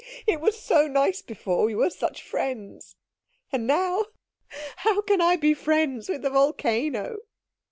It was so nice before. We were such friends. And now how can I be friends with a volcano?"